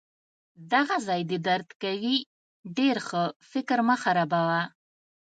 دغه ځای دي درد کوي؟ ډیر ښه! فکر مه خرابوه.